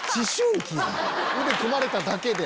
腕組まれただけで。